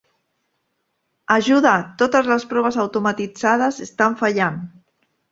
Ajuda! Totes les proves automatitzades estan fallant!